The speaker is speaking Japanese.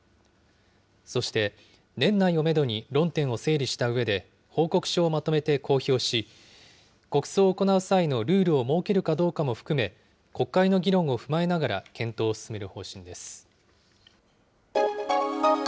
そして年内をメドに論点を整理したうえで、報告書をまとめて公表し、国葬を行う際のルールを設けるかどうかも含め、国会の議論を踏まえながら検討を進める方針です。